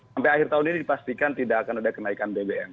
sampai akhir tahun ini dipastikan tidak akan ada kenaikan bbm